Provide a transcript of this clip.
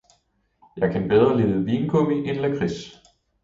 Jeg kan bedre lide vingummi end lakrids.